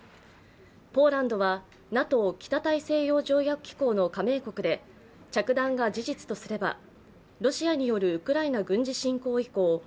ポーランドはＮＡＴＯ＝北大西洋条約機構の加盟国で、着弾が事実とすればロシアによるウクライナ軍事侵攻以降